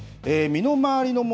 身の回りの物